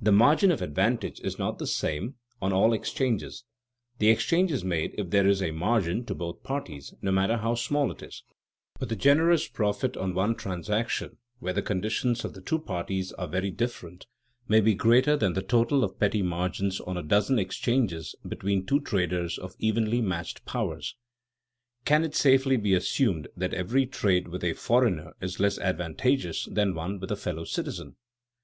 The margin of advantage is not the same on all exchanges; the exchange is made if there is a margin to both parties, no matter how small it is; but the generous "profit" on one transaction where the conditions of the two parties are very different may be greater than the total of petty margins on a dozen exchanges between two traders of evenly matched powers. Can it safely be assumed that every trade with a foreigner is less advantageous than one with a fellow citizen?